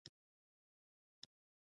فارسیان د نفوس اکثریت دي.